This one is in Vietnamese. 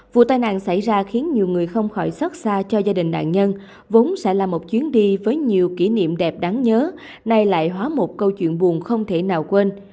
vụ tai nạn xảy ra khiến nhiều người không khỏi xót xa cho gia đình nạn nhân vốn sẽ là một chuyến đi với nhiều kỷ niệm đẹp đáng nhớ nay lại hóa một câu chuyện buồn không thể nào quên